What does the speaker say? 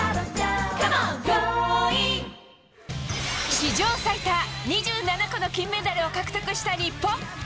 史上最多、２７個の金メダルを獲得した日本。